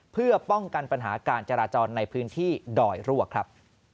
เพื่อป้องกันปัญหาการจราจรในพื้นที่ดอยรั่วครับ